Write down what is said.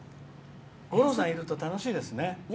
五郎さんいると楽しいですね。